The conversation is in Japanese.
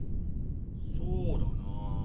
そうだなあ。